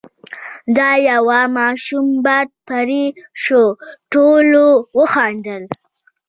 ، د يوه ماشوم باد پرې شو، ټولو وخندل،